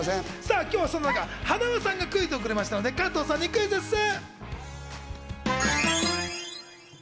今日はそんな中、塙さんがクイズをくれたので加藤さんにクイズッス！